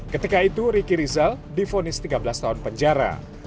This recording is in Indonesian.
ketika itu ricky lizal difonis tiga belas tahun penjara